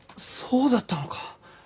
そうだったのか！